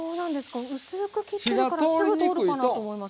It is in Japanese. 薄く切ってるからすぐ通るかなと思いますけど。